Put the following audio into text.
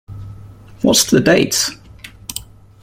What's the date?